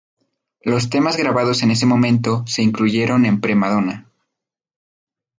Los temas grabados en ese momento se incluyeron en "Pre-Madonna".